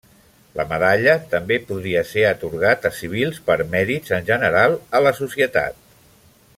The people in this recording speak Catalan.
La medalla també podria ser atorgat a civils per mèrits en general a la societat.